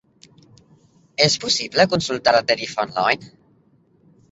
És possible consultar la tarifa online?